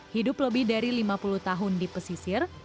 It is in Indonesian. hidup lebih dari lima puluh tahun di pesisir